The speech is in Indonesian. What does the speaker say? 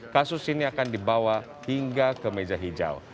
kasus ini akan dibawa hingga ke meja hijau